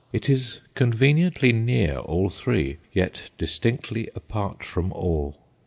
It is conveniently near all three, yet distinctly apart from all.